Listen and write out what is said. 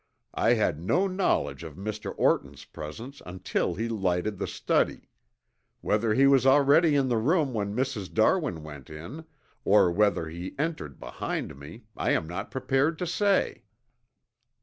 I had no knowledge of Mr. Orton's presence until he lighted the study. Whether he was already in the room when Mrs. Darwin went in, or whether he entered behind me, I am not prepared to say."